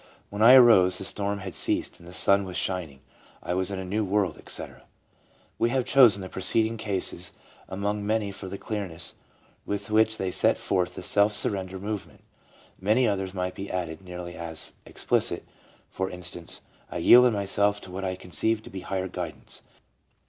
When I arose the storm had ceased and the sun was shining. I was in a new world, etc." We have chosen the preceding cases among many for the clearness with which they set forth the self surrender move ment. Many others might be added nearly as explicit, for instance : "I yielded myself to what I conceived to be Higher Guidance.